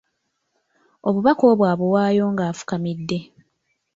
Obubaka obwo abuwaayo nga afukamidde.